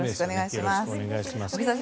よろしくお願いします。